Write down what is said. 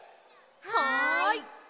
はい！